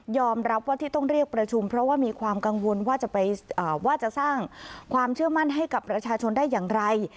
รับว่าที่ต้องเรียกประชุมเพราะว่ามีความกังวลว่าจะสร้างความเชื่อมั่นให้กับประชาชนได้อย่างไร